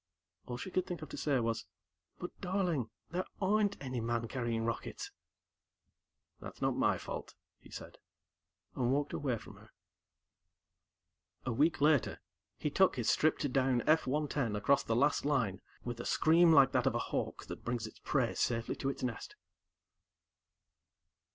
All she could think of to say was, "But, Darling, there aren't any man carrying rockets." "That's not my fault," he said, and walked away from her. A week later, he took his stripped down F 110 across the last line with a scream like that of a hawk that brings its prey safely to its nest.